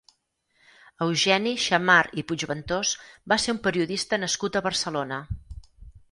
Eugeni Xammar i Puigventós va ser un periodista nascut a Barcelona.